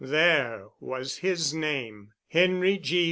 There was his name, "Henry G.